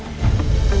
saya permisi tante